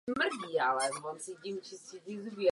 Nebezpečný je však i přebytek tohoto vitamínu.